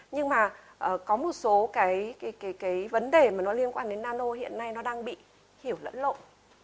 nhưng mà có một số cái vấn đề mà nó liên quan đến nano hiện nay nó đang bị hiểu lẫn lộn